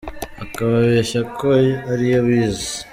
Akababeshya ko ariyo abiz